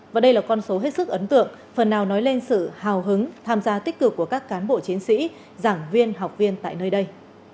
và đây là con số hết sức ấn tượng phần nào nói lên sự hào hứng tham gia tích cực của các cán bộ chiến sĩ giảng viên học viên tại nơi đây